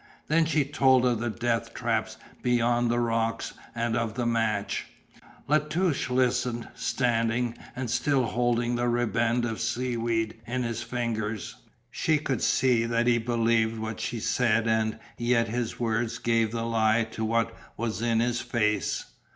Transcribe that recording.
Then she told of the death traps beyond the rocks and of the match. La Touche listened, standing, and still holding the ribband of seaweed in his fingers. She could see that he believed what she said and yet his words gave the lie to what was in his face.